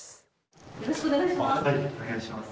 よろしくお願いします。